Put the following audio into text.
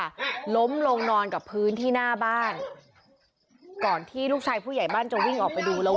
ล้มลงนอนกับพื้นที่หน้าบ้านก่อนที่ลูกชายผู้ใหญ่บ้านจะวิ่งออกไปดูแล้ว